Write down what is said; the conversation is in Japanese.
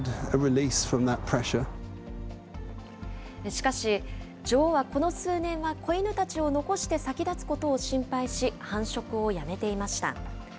しかし、女王はこの数年は、子犬たちを残して先立つことを心配し、繁殖をやめていました。